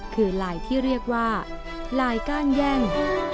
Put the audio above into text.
คือลายที่เรียกว่าลายก้านแย่ง